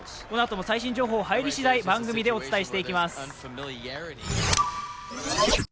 このあとも最新情報が入りしだい、番組でお伝えしていきます。